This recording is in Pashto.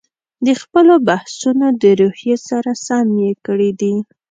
د خپلو بحثونو د روحیې سره سم یې کړي دي.